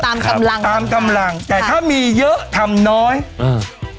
ตามกำลังตามกำลังแต่ถ้ามีเยอะทำน้อยอืม